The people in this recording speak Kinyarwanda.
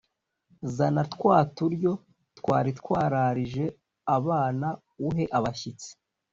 zana twa turyo twari twararije abana uhe abashyitsi.